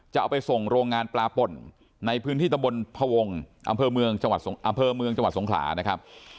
จะเอาไปส่งโรงงานปลาปล่นในพื้นที่ตำบลพระวงด์อำเภอมือจังหวัดสงขลานะครับ